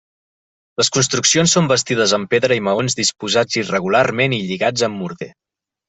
Les construccions són bastides en pedra i maons disposats irregularment i lligats amb morter.